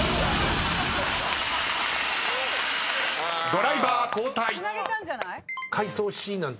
［ドライバー交代］